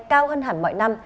cao hơn hẳn mọi năm